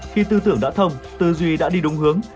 khi tư tưởng đã thông tư duy đã đi đúng hướng